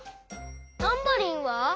タンバリンは？